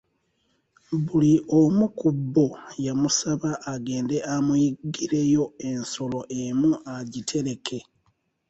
Buli omu ku bo yamusaba agende amuyiggireyo ensolo emu agitereke.